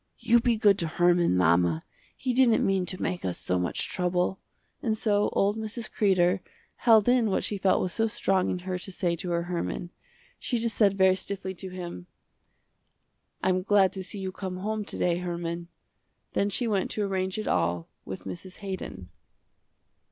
"You be good to Herman, mama, he didn't mean to make us so much trouble," and so old Mrs. Kreder, held in what she felt was so strong in her to say to her Herman. She just said very stiffly to him, "I'm glad to see you come home to day, Herman." Then she went to arrange it all with Mrs. Haydon.